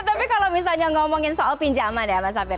tapi kalau misalnya ngomongin soal pinjaman ya mas safir